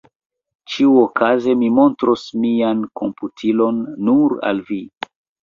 Ĉiuokaze mi montros mian komputilon nur al vi.